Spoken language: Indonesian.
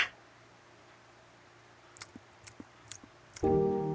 aku akan mencoba